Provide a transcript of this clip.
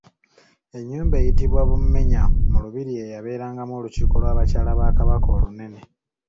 Ennyumba eyitibwa Bummenya mu Lubiri yeeyabeerangamu olukiiko lw'abakyala ba Kabaka olunene.